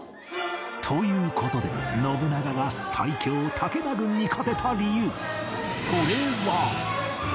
という事で信長が最強武田軍に勝てた理由それは